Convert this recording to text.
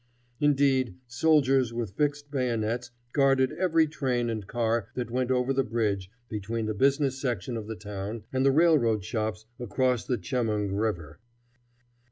Indeed, soldiers with fixed bayonets guarded every train and car that went over the bridge between the business section of the town and the railroad shops across the Chemung River.